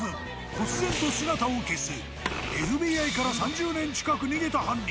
こつぜんと姿を消すＦＢＩから３０年近く逃げた犯人。